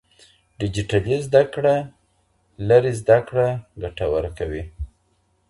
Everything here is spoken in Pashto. ډيجيټلي زده کړه لرې زده کړه ګټوره کوي.